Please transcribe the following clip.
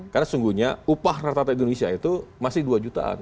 karena sungguhnya upah rata rata indonesia itu masih dua jutaan